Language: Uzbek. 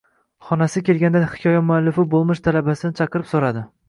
Xonasi kelganda hikoya muallifi bo`lmish talabasini chaqirib, so`radi